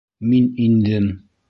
Мин индем.